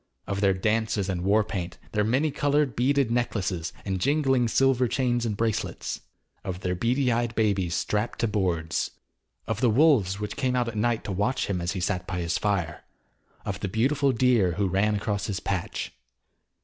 Of their dances and war paint; their many coloured, beaded necklaces and jingling, silver chains and bracelets. Of their beady eyed babies strapped to boards. Of the wolves which came out at night to watch him as he sat by his fire; of the beautiful deer who ran across his patch.